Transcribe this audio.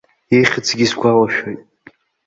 Ихьӡгьы сгәалашәоит.